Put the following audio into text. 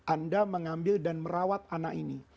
anda mengambil dan merawat anak ini